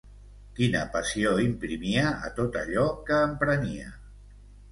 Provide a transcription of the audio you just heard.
Quina passió imprimia a tot allò que emprenia!